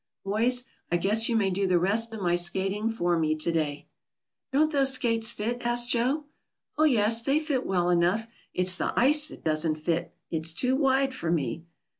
"Boys, I guess you may do the rest of my skating for me to day." "Don't those skates fit?" asked Joe. "Oh yes, they fit well enough. It's the ice that doesn't fit. It's too wide for me."